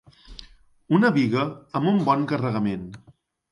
Una biga amb un bon carregament.